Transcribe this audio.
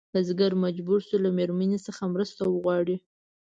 بزګر مجبور شو له مېرمنې څخه مرسته وغواړي.